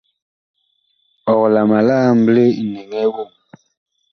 Ɔg la ma li amble nɛŋɛɛ voŋ ?